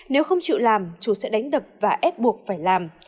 nếu không chịu làm chủ sẽ đánh đập và ép buộc phải làm